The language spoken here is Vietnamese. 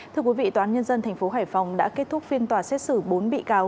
thưa quý vị tòa án nhân dân tp hải phòng đã kết thúc phiên tòa xét xử bốn bị cáo